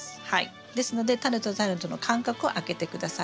ですのでタネとタネとの間隔を空けて下さい。